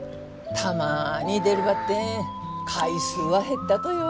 たまに出るばってん回数は減ったとよ。